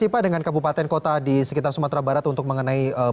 apa dengan kabupaten kota di sekitar sumatera barat untuk mengenai